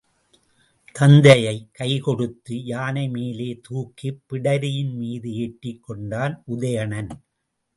தத்தையைக் கைகொடுத்து யானை மேலே தூக்கிப் பிடரியின் மீது ஏற்றிக் கொண்டான் உதயணன்.